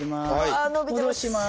うわ伸びてます。